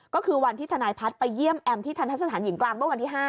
ก็คือวันที่ทนายพัฒน์ไปเยี่ยมแอมที่ทันทะสถานหญิงกลางเมื่อวันที่๕